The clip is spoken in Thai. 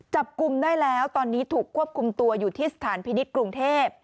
จับกลุ่มได้แล้วตอนนี้ถูกควบคุมตัวอยู่ที่สถานพินิษฐ์กรุงเทพ